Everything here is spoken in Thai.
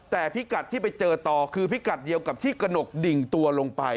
แต่พิกัดที่ไปเจอต่อคือพิกัดเดียวกับที่กระหนกดิ่งตัวลงไป